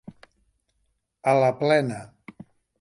A la plena.